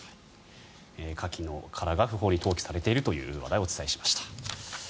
カキの殻が不法に投棄されているという話題をお伝えしました。